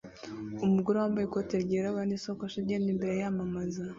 Umugore wambaye ikoti ryirabura nisakoshi agenda imbere yamamaza